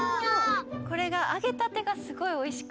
これがあげたてがすごいおいしくて。